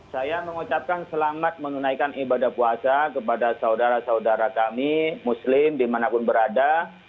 saya mengucapkan selamat menunaikan ibadah puasa kepada saudara saudara kami muslim dimanapun berada